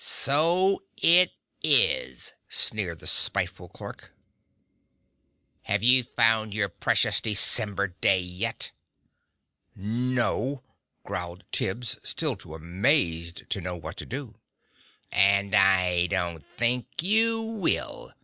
"So it is!" sneered the spiteful Clerk. "Have you found your precious December day yet?" "No," growled Tibbs, still too amazed to know what to do. "And I don't think you will!"